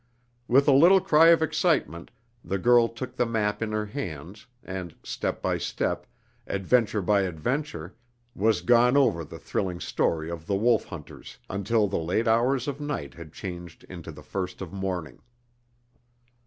With a little cry of excitement the girl took the map in her hands, and step by step, adventure by adventure, was gone over the thrilling story of the Wolf Hunters, until the late hours of night had changed into the first of morning.